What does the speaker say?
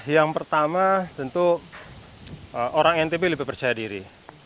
yang pertama tentu orang ntb lebih percaya diri